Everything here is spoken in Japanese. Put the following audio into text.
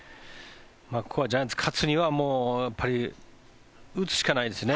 ここはジャイアンツ、勝つには打つしかないですね。